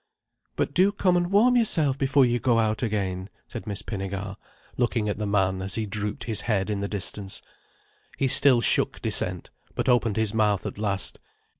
"But do come and warm yourself before you go out again," said Miss Pinnegar, looking at the man as he drooped his head in the distance. He still shook dissent, but opened his mouth at last.